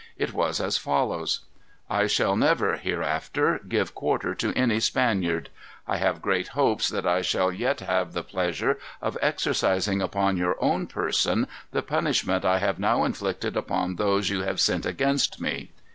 It was as follows: "I shall never, hereafter, give quarter to any Spaniard. I have great hopes that I shall yet have the pleasure of exercising upon your own person, the punishment I have now inflicted upon those you have sent against me.